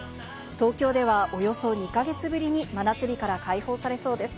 東京ではおよそ２か月ぶりに真夏日から解放されそうです。